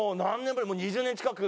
ぶり２０年近く。